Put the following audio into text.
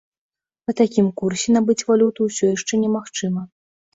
Па такім курсе набыць валюту ўсё яшчэ немагчыма.